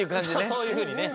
そういうふうにね。